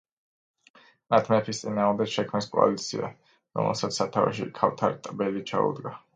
მათ მეფის წინააღმდეგ შექმნეს კოალიცია, რომელსაც სათავეში ქავთარ ტბელი ჩაუდგა.